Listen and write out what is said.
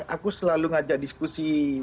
aku selalu ngajak diskusi